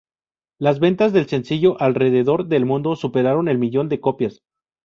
Las ventas del sencillo alrededor del mundo superaron el millón de copias.